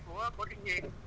của thiên nhiên